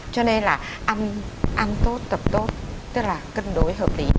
cho nên là ăn ăn tốt tập tốt tức là cân đối hợp lý